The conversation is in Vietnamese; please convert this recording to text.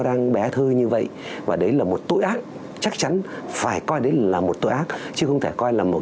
đang bé thơ như vậy và đấy là một tội ác chắc chắn phải coi đấy là một tội ác chứ không thể coi là một